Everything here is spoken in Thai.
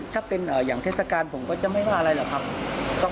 ถ้าเป็นอย่างเทศกาลผมก็จะไม่ว่าอะไรหรอกครับ